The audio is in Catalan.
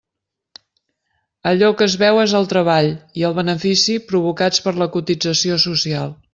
Allò que es veu és el treball i el benefici provocats per la cotització social.